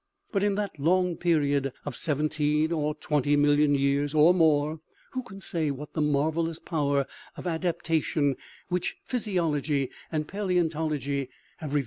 " But in that long period of seventeen or twenty million years, or more, who can say what the marvellous power of adaptation, which physiology and paleontology have re OMEGA.